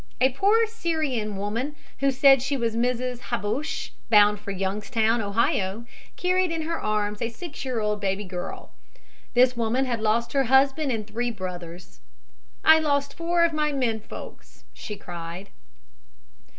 A poor Syrian woman who said she was Mrs. Habush, bound for Youngstown, Ohio, carried in her arms a six year old baby girl. This woman had lost her husband and three brothers. "I lost four of my men folks," she cried.